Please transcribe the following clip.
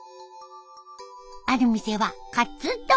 ある店はカツ丼。